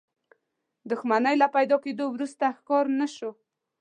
دښمنۍ له پيدا کېدو وروسته ښکار نه شو.